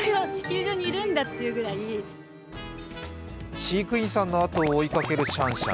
飼育さんの後を追いかけるシャンシャン。